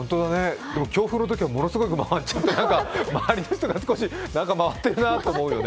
強風のときはものすごく回っちゃって、周りの人が少し回っているなと思うよね。